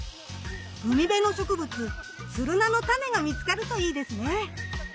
海辺の植物ツルナのタネが見つかるといいですね。